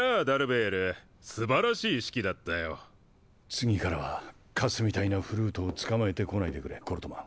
つぎからはカスみたいなフルートをつかまえてこないでくれコルトマン。